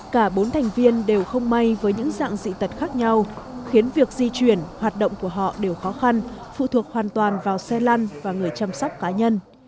cả bốn thành viên đều không may với những dạng dị tật khác nhau khiến việc di chuyển hoạt động của họ đều khó khăn phụ thuộc hoàn toàn vào xe lăn và người chăm sóc cá nhân